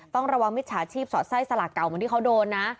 ต้องระวังมิจฉาชีพสอดไส้สลากเก่าเหมือนที่เขาโดนนะ